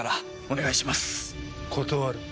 断る。